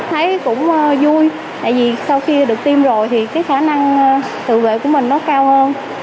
thấy cũng vui tại vì sau khi được tiêm rồi thì cái khả năng tự vệ của mình nó cao hơn